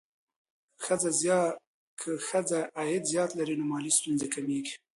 که ښځه عاید زیات کړي، نو مالي ستونزې کمېږي.